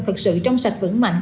thực sự trong sạch vững mạnh